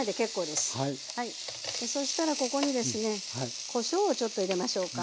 でそしたらここにですねこしょうをちょっと入れましょうか。